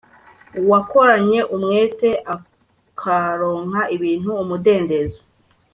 uwakoranye umwete akaronka ibintu umudendezo